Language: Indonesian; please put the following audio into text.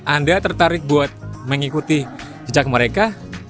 anda tertarik buat mengikuti jejak mereka